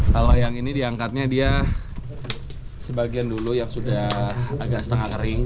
kalau yang ini diangkatnya dia sebagian dulu yang sudah agak setengah kering